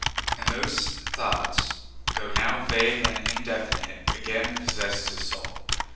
And those thoughts, though now vague and indefinite, again possessed his soul.